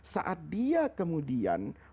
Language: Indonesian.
saat dia kemudian